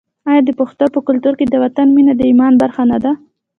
آیا د پښتنو په کلتور کې د وطن مینه د ایمان برخه نه ده؟